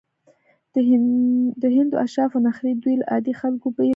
د هندو اشرافو نخرې دوی له عادي خلکو بېلول.